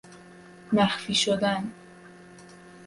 مخفی شدن